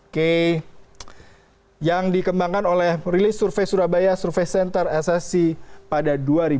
oke yang dikembangkan oleh rilis survei surabaya survei senter ssc pada dua ribu tujuh belas